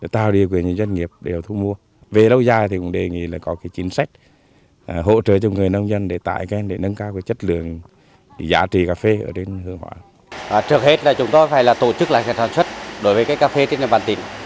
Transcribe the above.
trước hết là chúng tôi phải là tổ chức lại sản xuất đối với cây cà phê trên địa bàn tỉnh